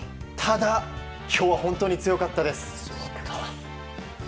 ただ、今日は本当に強かったです。